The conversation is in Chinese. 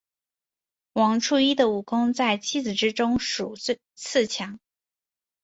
王处一的武功在七子之中数次强。